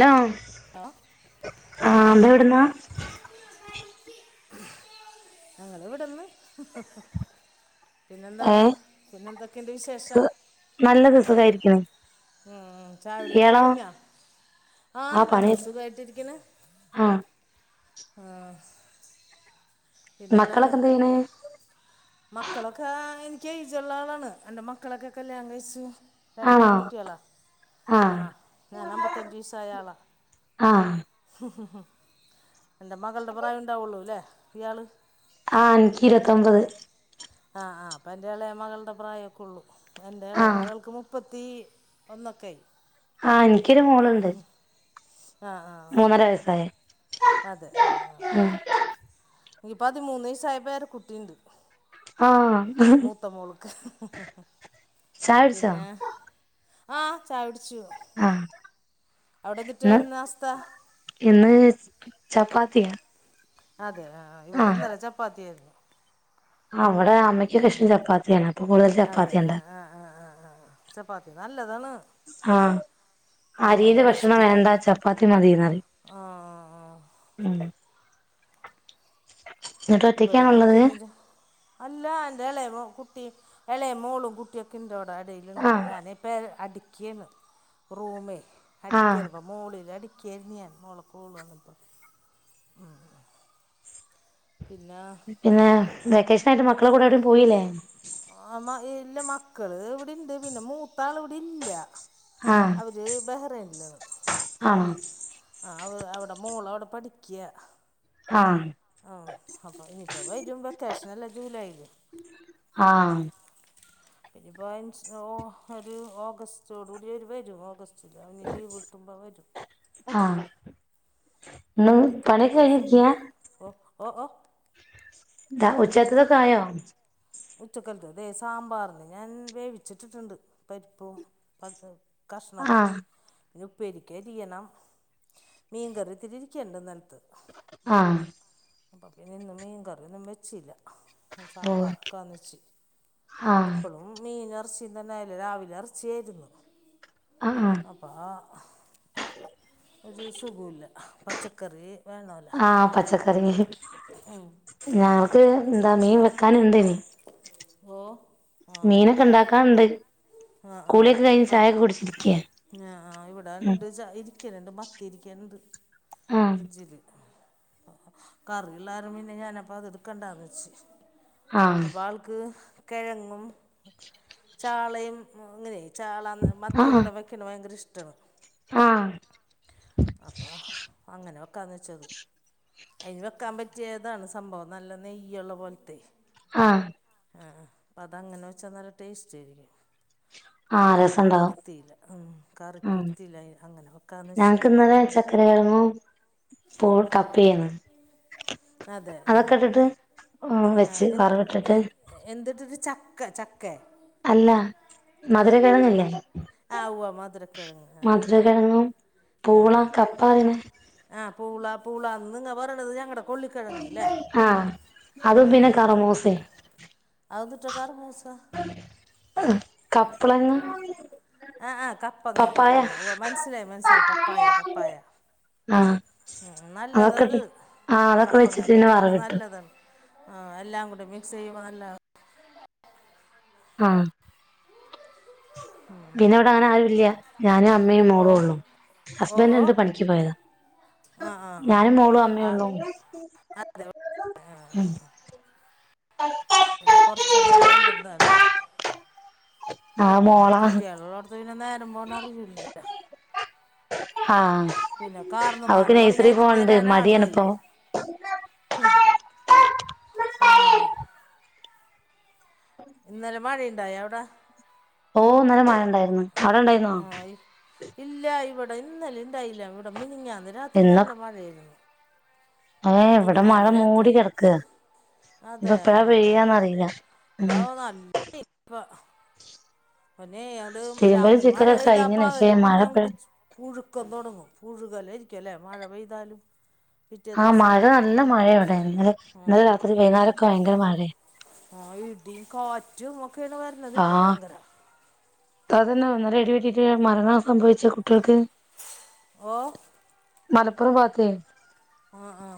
Law ആഹ്. ആഹ് തവ്ട്ന്നാ? ഞങ്ങള്വ്ട്ന്ന്. ഏ പിന്നെന്താണ് പിന്നെന്തൊക്കേണ്ട് വിശേഷം? ന്നല്ലത് സുഖായിരിക്ക്ണു. ഉം ചായൊടിക്കെ കഴിഞ്ഞോ? ആഹ് ഞങ്ങള് സുഖായിട്ടിരിക്ക്ണ്. ആഹ്. ആഹ്. മക്കളക്കന്തിയ്യ്ണ്? മക്കളൊക്കെ എൻക്ക് ഏജുള്ള ആളാണ് എൻ്റെ മക്കളൊക്കെ കല്യാണം കയ്ച്ചു. രണ്ട് ആണോ പെൺകുട്ട്യാളാ ആ ആഹ് ആഹ് ഞാനമ്പത്തഞ്ച് വയസ്സായ ആളാ. ആഹ് എൻ്റെ മകള്ടെ പ്രായം ഇണ്ടാവൊള്ളുലെ ഇയാള്? ആ ഇൻക്ക് ഇരുപത്തൊമ്പത്. ആ ആ അപ്പ എന്റെ എളേമകൾടെ പ്രായക്കൊള്ളു. എന്റെ ആ ഇളേമകൾക്ക് മു പ്പത്തി ഒന്നൊക്കെ ആ എനിക്കൊരു മോള്ണ്ട്. ആഹ് ആഹ് ആഹ് വയസായെ അതെ ആഹ് ഉം ഇഞ്ഞ് പതിമൂന്നയസയപ്പേര കുട്ടിണ്ട്. ആ മൂത്ത മോളക്ക്. ചായ കുടിച്ചോ പിന്നെ ആ ചായുടിച്ചു. ആ അവിടെ ഇന്ന് തിട്ടായിരുന്ന അവസ്ഥ? ഇന്ന് ചപ്പാത്തിയ അതെ ആ ഇവിടെ ഇന്നലെ ചപ്പാത്തിയായിരുന്നു. അവിടെ അമ്മയ്ക്ക് ഇഷ്ടം ചപ്പാത്തിയാണ്. അപ്പൊ കൂടുതല് അതെ ആ ചപ്പാത്തിയാണ്ടാക്. ആ ആ ആ ആ ചപ്പാത്തി നല്ലതാണ്. ആഹ്. അരിൻ്റെ ഭക്ഷണം ദശക്ക് വേണ്ട. ചപ്പാത്തി മതിന്ന് പറിം ആ ആ. ഉം. എന്നിട്ട് ഇവടെ ഒറ്റക്കാണുള്ളത് മിക്ക്യതും ജൊ അല്ല ഇന്റെ എളേമ കുട്ടിം. എളേ മോളും കുട്ട്യാെക്കെണ്ട് ഇവടെ അടീല്ണ്ട്. ആ ഞാൻ പ്പെ അടിക്ക്യേണ്. റൂമെ ആഹ് അടിക്ക്യാണ് ഇപ്പം. മോളില് അടിക്ക്യാരുന്നു ഞാൻ. മോൾക്ക് ഓള് വന്നപ്പം ഉം ഉം. പിന്നാ പിന്നെ. വെക്കേഷനായിട്ട് മക്കളെ കൂടെ എവിടിം പോയിലെ. ആ ഇല്ല മക്കള് ഇവിടെ ഇണ്ട്. പിന്നെ മൂത്താള് ഇവിടെ ഇല്ല. അവര് ബഹ്റൈൻല്. അം ആഹ് അവ് അവടെ മോള് അവടെ പഠിക്ക്യ. ആഹ് ആഹ് അപ്പം ഇനിപ്പം വരും വെക്കേഷനല്ലെ ജൂലായ്ല്. ആഹ് ഇനിപ്പം [unintelligible] ഒരു ഓഗസ്റ്റോടു കൂടി അവര് വെരും. ഓഗസ്റ്റ് [unintelligible] അവന് ലീവ് കിട്ടുമ്പം വെരും. ആഹ് ഇന്ന് പണ്യൊക്കെ കയ്ഞ്ഞിരിക്യാ. ഒ ഒ ഓ ത ഉച്ചക്കത്തൊക്കെ ആയൊ. ഉച്ചക്കത്തതെ സാമ്പാറിന് ഞാൻ വേവിച്ചിട്ടിട്ടുണ്ട്. പരിപ്പും പച്ച കഷ്ണൊക്കെ ആഹ് ഇഞ്ഞ് ഉപ്പേരിക്കെരിയണം. മീൻ കറി ഇത്തിരി ഇരിക്ക്യണ്ട് ഇന്നൽത്ത്. ആഹ് അപ്പം പിന്നെ ഇന്ന് മീൻ കറ്യൊന്നും വെച്ചില്ല. ഓ സാമ്പാർ കറി വെച്ച്. ആഹ് എപ്പളും മീനാ എറച്ചിന്നെന്നായാല് രാവിലെ എറച്ചിയായിരുന്നു. ആഹ് ആഹ് അപ്പ ആ ഒരു സുഖൂല്ല. പച്ചക്കറി വേണോല്ലൊ. ആഹ് ഉം. ഞങ്ങക്ക് എന്താ മീൻ വെക്കാന്ണ്ട് ഇനി. ഓഹ് മീനൊക്കെ ണ്ടാക്കാൻണ്ട് കുളിയൊക്കെ കഴിഞ്ഞ് ചായൊക്കെ കുടിച്ചിരിക്ക ആഹ് ആഹ് ഇവടെണ്ട് ചാരിക്കണണ്ട് മത്തി ഇരിക്കണണ്ട് ആഹ് ഫ്രിഡ്ജില് കറിള്ളാരണം പിന്നെ ഞാനപ്പ അത് എടുക്കണ്ടാന്ന് വെച്ച് ആഹ് അപ്പൊ ആൾക്ക് കിഴങ്ങും ചാളയും ഇങ്ങനെ ചാള മത്തി ആഹ് കൂടെ വെക്കണ ഭയങ്കര ഇഷ്ടാ ആഹ് അപ്പ അങ്ങനെ വെക്കാന്ന് വെച്ചത് അയ്ന് വെക്കാൻ പറ്റിയതാണ് സംഭവം നല്ല നെയ്യുള്ള പോൽത്തെ ആഹ് ആഹ് ആഹ് അപ്പം അതങ്ങനെ വെച്ചാൽ നല്ല ടേസ്റ്റയിരിക്കും അപ്പം ഞാൻ ആഹ് കറിക്കും രസണ്ടാവും എടുത്തീല്ല ഉം ഉം കറിക്കിടുത്തില്ലേ അങ്ങനെ വെക്കാന്ന് വെച്ച് അവിടെരിക് കെഴങ്ങും പൂൾ കപ്പേന്നു അതെ ആഹ് അതൊക്കെ ഇട്ടിട്ട് അഹ് വെച്ച് എൻ വറവിട്ടിട്ട് എന്തിട്ടിട്ട് ചക്ക ചക്കെ അല്ല മധുര കെഴങ്ങില്ലെ ആഹ് ഉവ്വ മധുര കെഴങ്ങ് അഹ് അഹ് കെഴങ്ങും പൂളാ കപ്പാറിണെ ആഹ് പൂള പൂളാ നിങ്ങ പറിണത് ഞങ്ങടെ കൊള്ളി കെഴങ്ങ് ല്ലേ അഹ് ആഹ് മൂസെം അതെന്തൂട്ട കർമൂസ്സ കപ്പളങ്ങാ ആഹ് അഹ് കപ്പങ്ങ കപ്പങ്ങ ഉവ്വാ മനസ്സിലായി മനസ്സിലായി പപ്പായ പപ്പായ ആഹ് ഉം നല്ലത് അതൊക്കെ അത് ഇട്ട് ആഹ് അതൊക്കെ വെച്ചിട്ട് കപ്പങ്ങൊക്കെ പിന്നെ തിന്നണ വറവിട്ടു നല്ലതാണ് ആഹ് എല്ലാംകൂണ്ട് മിക്സ് ചെയ്യുമ്പ നല്ലാ ആഹ് പിന്നെ ഇവിടെ അങ്ങനെ ആരുല്ല്യാ ഞാനും അമ്മയും ഓ മോളു ഒള്ളൂ ഓ ഓ ഹസ്ബൻഡ്ണ്ട് പണിക്ക് പോയതാ. ആ ആ ആ ഞാനും മോളും ആ അമ്മയള്ളൂ പിന്നെ കൊറച്ചെല്ലാം വേണ്ട എന്താണ് ആഹ് മൊ ഉം കുട്ടികൾള്ളോടത്ത് പിന്നെ നേരമ്പോന്ന അറിയില്ലല്ലേ ആഹ് പിന്നെ അവക്ക് കാർന്നുമാരോള്ള പിനെ നഴ്സറി പോവാണ്ട് അരിഞ്ഞേരാന ആളുആയി മടിയാണിപ്പോ ആഹ് ഇന്നലെ മഴണ്ടായ അവിടെ? ഓഹ് നല്ല മഴണ്ടായിരുന്നു ആഹ് ഇല്ല ഇവിടെ ഇന്നലെ ഇണ്ടായില്ല ഇവിടെ മിനിഞ്ഞാന്ന് രാത്രി നല്ല മഴയേരുന്നു ഏഹ് ഇവടെ മഴ മൂടി രാത്രി കെടക്ക ഇത് അതെ എപ്പഴാ ആ ആ പെയ്യാന്നറീല ഉം ഇവിടെ നല്ല പൊന്നെ യാണ്ട് തിരുമ്പലും രാത്രി മഴ ചിക്കലൊക്കെ പെയ്താ കഴിഞ്ഞന് പക്ഷേ പാകല് മഴ പിന്നെ ഇപ്പഴ അങ്ങട് ച്ച് പുഴുക്കം തുടങ്ങും പുഴുകല ഇരിക്കും അല്ലേ മഴ പെയ്താലും പിറ്റേ ആഹ് ദിവസം മഴ നല്ല മഴ അവിടെരുന്നു ഇന്നലെ രാത്രി വൈന്നാരൊക്കെ ഭയങ്കര മഴയ ആഹ് ഇ ടീം കാറ്റും ഒക്കെയാണ് വരണത് ഇപ്പ ഭയങ്കര തതന്നെ ഇന്നലെ ഇടി വെട്ടിട്ട് മരണം സംഭവിച്ച കുട്ടികൾക്ക് ഓഹ് മലപ്പുറം ഭാത്ത് ആ ആ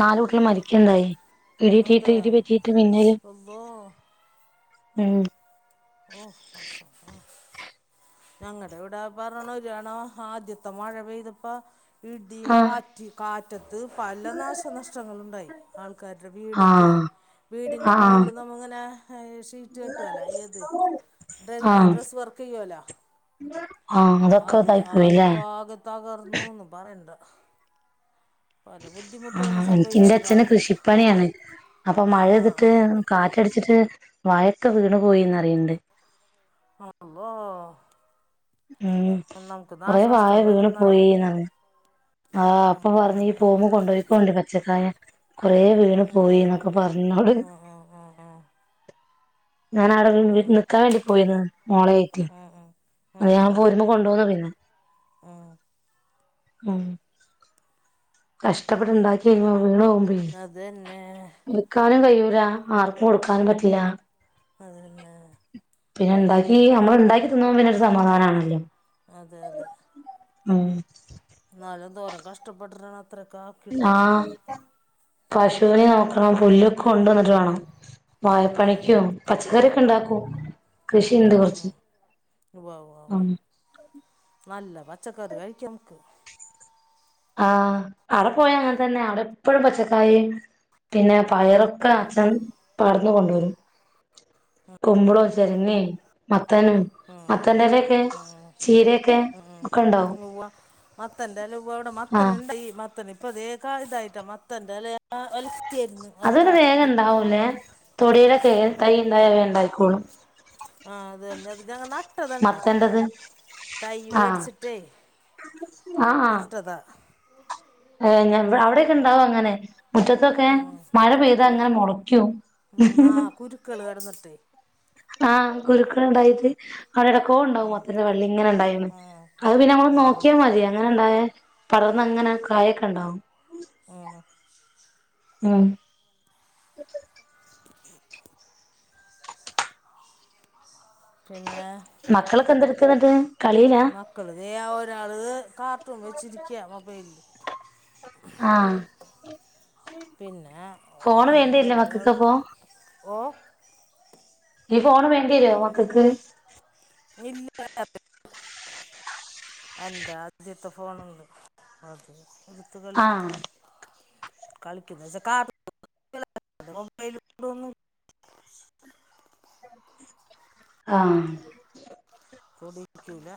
നല് കുട്ടിള് മരിക്കണ്ടായി ഇടിട്ടീ അതെ ട്ട് ഇടിപറ്റീട്ട് മിന്നലും അള്ളോ ഉം ഓഹ് പടച്ചോനെ ഞങ്ങളടെ ഇവിടെ പറഞ്ഞണ ഒരുയാണോ ആദ്യത്തെ മഴ പെയ്തിപ്പ ഇടിയും ആഹ് കാറ്റ് കാറ്റത്ത് പല നാശനഷ്ടങ്ങളുണ്ടായി ആൾക്കാരുടെ വീടൊക്കെ ആഹ് വീടിൻ്റെ ആഹ് മുകളിൽ നമ്മ ഇങ്ങനെ ഷീറ്റ് കെട്ടുവല്ലേഏത് ഡ ആഹ് ഡ്രസ്സ് വർക്ക് ചെയ്യുവല്ല ആഹ് അതൊക്കെ അത് ഇതായി പോയില്ലേ അതൊക്കെ ആക തകർന്നു ന്ന് പറയണ്ട് ആഹ് എനിക്ക സംഭവിച്ചു എന്റെ ഈ അച്ഛന് ഭാഗത്തൊക്കെ കൃഷിപ്പണിയാണ് അപ്പൊ ആ ആ ആ മഴയ്തിട്ട് കാറ്റടിച്ചിട്ട് വഴക്കെ വീണ് പോയിന്ന് അറിയണ്ട് അള്ളോ ഉം നമക്ക് കൊറേ വാഴ നാശനഷ്ടം വീണ് വരുനല്ലോണം പോയിന്നാണ് ആഹ് അപ്പൊ പറഞ്ഞ് ഈ പോവുമ്പം കൊണ്ടോയിക്കോണ്ട് പച്ചക്കായ കൊറേ വീണ് ഉവ്വ ഉവ്വ പോയിന്നൊക്കെ പറഞ്ഞ് ന്നോട് ഉം ഉം ഞാൻ അവിടെ നിക്കാൻ വേണ്ടി പോയിന്ന് മോളായിട്ട് അത് ഞാൻ പോരുമ്പം കൊണ്ടോന്ന് പിന്നെ ഉം കഷ്ടപ്പെട്ട്ണ്ടാക്കിയ്ഞാ വീണോവു അ തന്നെ ക്കാനും കഴിയൂല ആർക്കും കൊടുക്കാനും പറ്റില്ല അതന്നെ പിന്നെ ണ്ടാക്കി നമ്മൾ ണ്ടാക്കി തിന്നു മ് പിന്നെ ഒരു സമാധാനാണല്ലോ അതെ അതെ ആഹ് ഇന്നാലുംന്തോരം കഷ്ടപ്പെട്ടിട്ടാണ് അത്രൊക്കെ ആഹ് പശുവിനെ നോക്കണം പുല്ലൊക്കെ കൊണ്ട് വന്നിട്ട് വേണം ഉം ഉം വായപ്പണിക്കും പച്ചക്കറി ക്കെ ണ്ടാക്കും കൃഷിണ്ട് കുറച്ച് ഉവ്വാവ്വോ ഉം നല്ല പച്ചക്കറി കഴിക്ക നമുക്ക് ആഹ് അവിടെ പോയ അങ്ങനെ തന്നെ അവിടെ എപ്പഴും പച്ചക്കായും പിന്നെ പയറ് ക്കെ അച്ഛൻ പാടത്ത് ന്ന് കൊണ്ടോരും കുമ്പളം ചെരങ്ങീ മത്തനും ആഹ് മത്തന്റെലൊക്കെ ആഹ് ചീരയൊക്കെ ആഹ് ഒക്കെ ഉണ്ടാവും ആഹ്ഉവാ മത്തന്റെ ല വ്വാടെ മത്തൻ ആഹ് ണ്ട ഈ മത്തന് ഇപ്പൊ തേ കയിതായിട്ടാ മത്തന്റെല ല്ലാ എൽക്കര്ന്ന് അത് വല്ലോ വേഗം ഉണ്ടാവൂലേ തൊടയില ക തൈണ്ടായ വേം ഉണ്ടായിക്കോളും ആഹ് അതന്നെ അത് ഞങ്ങ നട്ടതാണ് ട്ടാ മത്തന്റത് തൈ വേടിച്ചിട്ടേ ആ ഹാ നട്ടതാ ഏഹ് അവിടെയൊക്കെ ഉണ്ടാവും അങ്ങനെ മുറ്റത്തൊക്കെ മഴ പെയ്താ അങ്ങനെ മുളക്കും ഉ ആ കുരുക്കൾ കിടന്നിട്ടെ ആഹ് കുരുക്കൾണ്ടായിട്ട് അവിടെ ടക്കോ ണ്ടാവും മത്തന്റെ വള്ളി ഇങ്ങനെ ഉണ്ടായിന്ന് അത് പിന്നെ നമ്മള് ഉം നോക്കിയാൽ മതിയ അങ്ങനെ ഉണ്ടായേ പടർന്ന അങ്ങനെ കായക്കെ ഉണ്ടാവും ആ ഹാ ഉം പിന്നേ? മക്കളൊക്കെ എന്തെടുക്കെന്ന്ട്ട്? മക്കള് ദേ ഒരാള് കാർട്ടൂൺ വെച്ചിരിക്ക മൊബൈലില് ആഹ് പിന്നെ ഫോണ് എന്റെ വേണ്ടിവരില്ലേ മോള് ദേ മക്കൾക്ക് അപ്പൊ അവ്ട്ണ്ട് ഈ ഫോണ് വേണ്ടിയരോ മക്കക്ക്? ഇല്ല [unintelligible] എന്റെ ആദ്യത്തെ ഫോണുണ്ട് അത് ഇടുത്ത് കളിക്കും ആഹ് കളിക്കുന്ന് വെച്ച കാർ ആഹ് തൊടിക്കൂല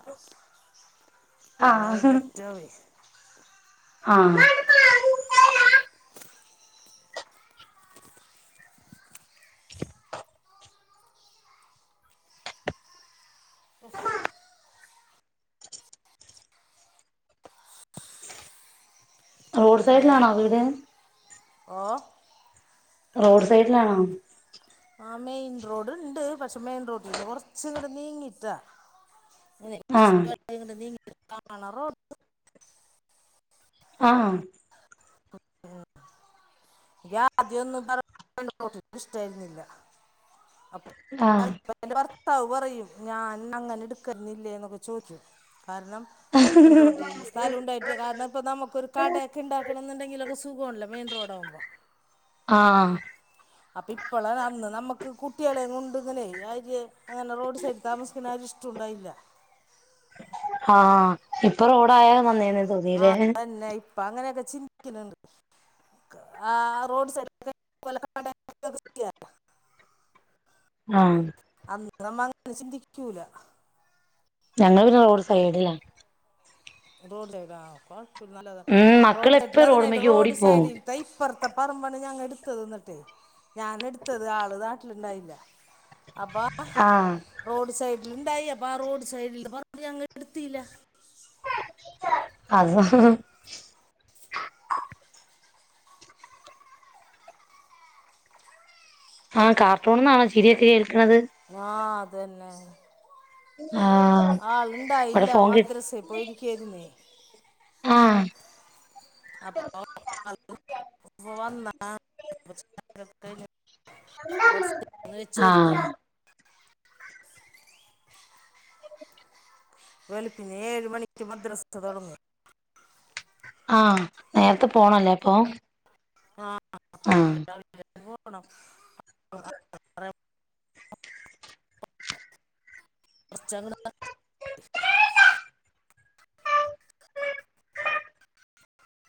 പിന്നെ അതിന് ആഹ് അറ്റാവേ? ആഹ് ആ റോഡ് സൈഡിലാണോ വീട്? ഓഹോ? റോഡ് സൈഡിലാണോ? ആ മെയിൻ റോഡ്ണ്ട് പക്ഷെ മെയിൻ റോട്ടീന്ന് കൊറച്ച് ഇങ്ങട്ട് നീങ്ങിയിട്ടാ ആഹ് കൊറച്ചൂടി അകത്തോട്ട് നീങ്ങിയിട്ട് കാണ റോഡ് ആഹ് ഇയ്യ് ആദ്യൊന്നും പറ [unintelligible] ആഹ് ഇന്റെ ഭർത്താവ് പറയും ഞാൻ അങ്ങനെ എടുക്കാര്ന്നില്ലേ എന്നൊക്കെ ചോയ്ക്കു കാരണം മെയിൻറോട്ടില് സ്ഥലം ഉണ്ടായിട്ട് കാരണം ഇപ്പൊ നമുക്കൊരു കടയൊക്കെ ഇണ്ടാക്കാണംന്ന് ണ്ടെങ്കിലൊക്കെ സുഖവാണല്ലേ മെയിൻ റോഡാകുമ്പം ആഹ് അപ്പം ഇപ്പളാണ് അന്ന് നമ്മക്ക് കുട്ടിയളെ കൊണ്ട്ങ്ങനേ ആ ഒര് അങ്ങനെ റോഡ് സൈഡ് താമസിക്കുന്ന ഒരി വിശ്യ ഉണ്ടായില്ല ആഹ് ഇപ്പൊ റോഡായ നന്നേന്നെ തോന്നീലേ? നന്നായി ഇപ്പ അങ്ങനെയൊക്കെ ചിന്തിക്ക്ണ് ണ്ട് ആഹ് റോഡ് സൈഡ്ലൊക്ക നമുക്ക് വല്ല കട തൊടങ്ങുവക്കെ ചെയ്യാലോ ആഹ് അന്ന് നമ്മ അങ്ങനെ ചിന്തിക്കൂല ഞങ്ങള് പിന്നെ റോഡ് സൈഡിലാണ് റോഡ് സൈഡ ആ കൊഴപ്പല്ല നല്ലതാ ഉം റോഡ് മക്കളെപ്പ സൈഡിലാന്ന് റോഡ്മ്മക്ക് റോഡ് ഓടിപ്പോവും സൈഡീ ത്തെ ഇ പ്പറത്തെ പറമ്പാണ് ഞങ്ങ എടുത്തത് ഇന്നിട്ട് ഞാന് എടുത്തത് ആള് നാട്ടില്ണ്ടായില്ല അപ്പോ ആഹ് റോഡ് സൈഡില്ണ്ടായി അപ്പൊ ആ റോഡ് സൈഡില് പറമ്പ് ഞ്ഞങ്ങള് ഇട്ത്തില്ല ആഹ് ആ കാർട്ടൂണ്ന്നാണോ ചിരിയൊക്കെ കേൾക്ക്ണത്? ങ്ങാ അത് തന്നെ ആഹ് ആള് ഇവിടെ ഇണ്ടായില്ല ഫോൺ കി മദ്രസേ പോയിരിക്കേയിര്ന്നേ ആഹ് അപ്പോ വന്ന് ഇപ്പൊ വന്നതാ [unintelligible] കുറച്ച് [unintelligible] ആഹ് കൊടുത്താണ് വെളുപ്പിന് ഏഴ് മണിക്ക് മദ്രസ് തുടങ്ങും ആഹ് നേരത്തെ പോണല്ലേ അപ്പൊ ആഹ് ഒരു ആഹ് ആറരക്ക് പോണം കുറച്ചങ്ങ